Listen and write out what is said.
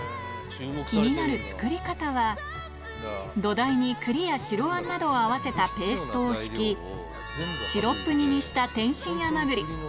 気になる作り方は土台に栗や白あんなどを合わせたペーストを敷きシロップ煮にした天津甘栗